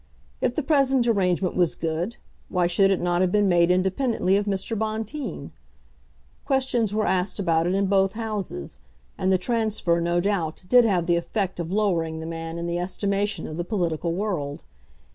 If the present arrangement was good, why should it not have been made independently of Mr. Bonteen? Questions were asked about it in both Houses, and the transfer no doubt did have the effect of lowering the man in the estimation of the political world.